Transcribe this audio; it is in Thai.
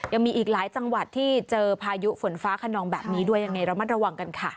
ยังมีอีกหลายจังหวัดที่เจอพายุฝนฟ้าขนองแบบนี้ด้วยยังไงระมัดระวังกันค่ะ